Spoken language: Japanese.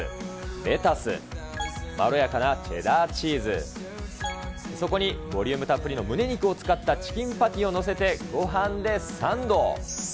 レタス、まろやかなチェダーチーズ、そこにボリュームたっぷりのむね肉を使ったチキンパティを載せてごはんでサンド。